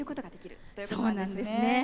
そうなんですね。